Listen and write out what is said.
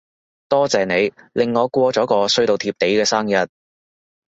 多謝你令我過咗個衰到貼地嘅生日